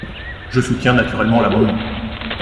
Je soutiens naturellement l’amendement.